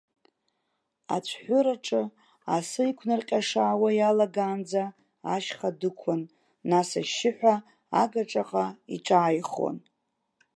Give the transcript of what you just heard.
Ацәҳәыраҿы, асы иқәнарҟьашаауа иалагаанӡа, ашьха дықәын, нас ашьшьыҳәа агаҿаҟа иҿааихон.